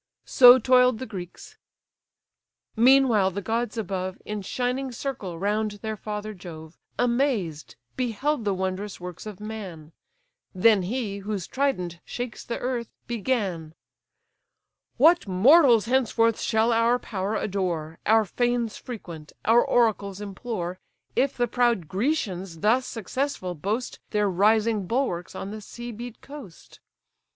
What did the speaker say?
So toil'd the Greeks: meanwhile the gods above, In shining circle round their father Jove, Amazed beheld the wondrous works of man: Then he, whose trident shakes the earth, began: "What mortals henceforth shall our power adore, Our fanes frequent, our oracles implore, If the proud Grecians thus successful boast Their rising bulwarks on the sea beat coast?